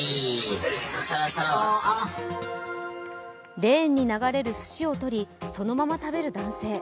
レーンに流れるすしを取り、そのまま食べる男性。